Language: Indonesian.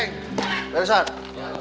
teng dari sana